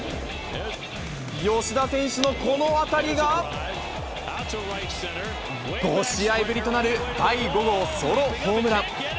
吉田選手のこの当たりが、５試合ぶりとなる第５号ソロホームラン。